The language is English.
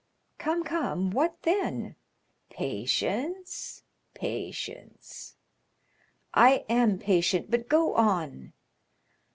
"Come, come, what then?" "Patience—patience!" "I am patient, but go on."